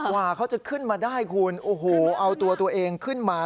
ว่าเขาจะขึ้นมาได้คุณโอ้โหเอาตัวตัวเองขึ้นมา